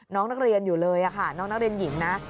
น้องนักเรียนอยู่เลยค่ะน้องนักเรียนหญิงนะ